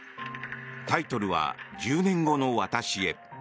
タイトルは「１０年後の私へ」。